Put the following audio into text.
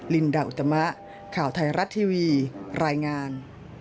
ลินดาอุตมะข่าวไทยรัฐทีวีรายงาน